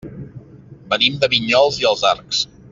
Venim de Vinyols i els Arcs.